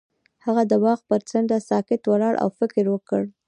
هغه د باغ پر څنډه ساکت ولاړ او فکر وکړ.